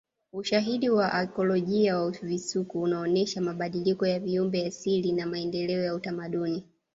Ushahidi wa akiolojia na visukuku unaonesha mabadiliko ya viumbe asilia na maendeleo ya utamaduni